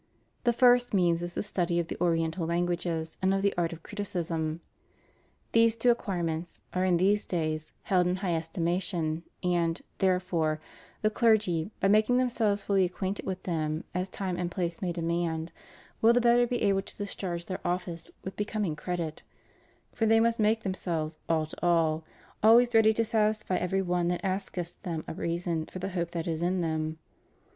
The first means is the study of the Oriental languages and of the art of criticism. These two acquirements are in these days held in high esti mation, and, therefore, the clergy, by making themselves fully acquainted with them as time and place may demand, will the better be able to discharge their office with be coming credit; for they must make themselves all to all,^ always ready to satisfy every one that asketh them a reason for the hope that is in them.